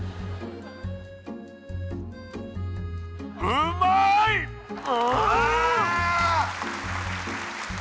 うまいッ！